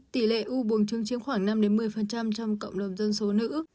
tỷ lệ u buông trứng chiếm khoảng năm một mươi trong cộng đồng dân số nữ